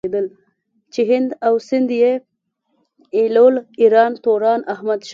چې هند او سندھ ئې ايلول ايران توران احمد شاه